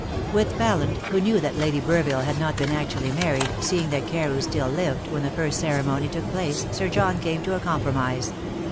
With Pallant, who knew that Lady Burville had not been actually married, seeing that Carew still lived, when the first ceremony took place, Sir John came to a compromise.